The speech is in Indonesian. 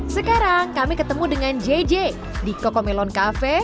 sekarang kami ketemu dengan jj di koko melon cafe